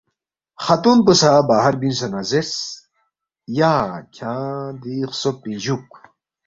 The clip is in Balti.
خاتون پو سہ باہر بیُونگسے نہ زیرس، یا کھیانگ دی خسوب پِنگ جُوک